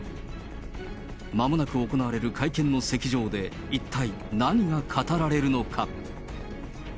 まもなく行われる会見の席上で一体何が語られるのか。